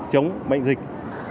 chống bệnh dịch